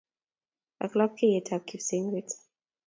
Ak lapkeiye-tab Kipsengwet.